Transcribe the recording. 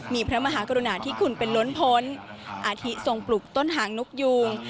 มีพระมหากรุณาธิคุณเป็นล้นพ้นอาทิทรงปลูกต้นหางนกยูง